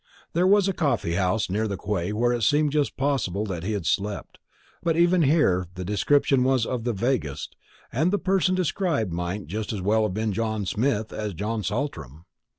There was a coffee house near the quay where it seemed just possible that he had slept; but even here the description was of the vaguest, and the person described might just as well have been John Smith as John Saltram.